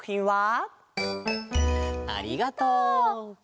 ありがとう。